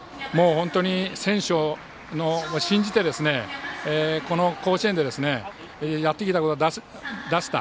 本当に選手を信じてこの甲子園でやってきたことを出せた。